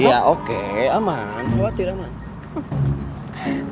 iya oke aman khawatir aman